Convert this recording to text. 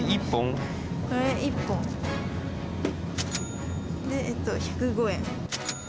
これ１本。でえっと１０５円。